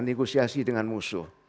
negosiasi dengan musuh